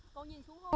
cô nhìn xuống không